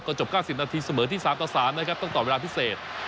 ต่อจบเก้าสิบนาทีเสมอที่สามต่อสามนะครับต้องต่อเวลาพิเศษ